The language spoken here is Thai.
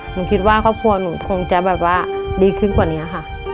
หนูคิดว่าครอบครัวหนูคงจะแบบว่าดีขึ้นกว่านี้ค่ะ